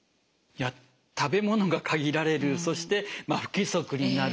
食べ物が限られるそして不規則になる